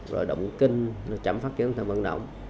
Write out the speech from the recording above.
rồi động kinh chậm phát triển thần vận động